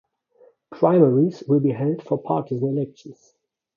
Primaries will be held for partisan elections.